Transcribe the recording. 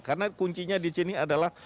karena kuncinya di sini adalah